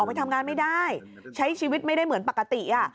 ไปทำงานไม่ได้ใช้ชีวิตไม่ได้เหมือนปกติ